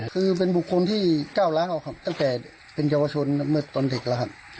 คือเป็นบุคคลที่ก้าวระหาตั้งแต่เป็นเยาวชนเมาดตอนเด็กแล้วครับ